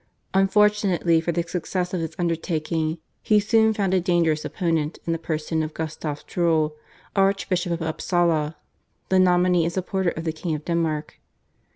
Unfortunately for the success of his undertaking he soon found a dangerous opponent in the person of Gustaf Trolle, Archbishop of Upsala, the nominee and supporter of the King of Denmark.